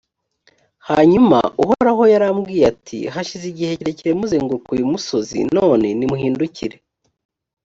hanyuma uhoraho yarambwiye ati hashize igihe kirekire muzenguruka uyu musozi none nimuhindukire.